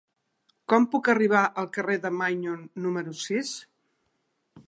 Com puc arribar al carrer de Maignon número sis?